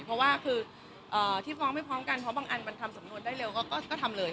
พอว่าคือที่ฟ้องไม่พร้อมกันพอบางอันมันทำสำนวนได้เร็วก็ทำเลยส่งเลย